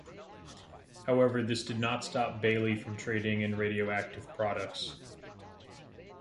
However this did not stop Bailey from trading in radioactive products.